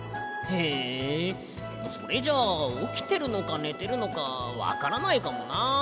へえそれじゃあおきてるのかねてるのかわからないかもな。